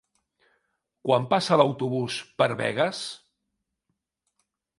Quan passa l'autobús per Begues?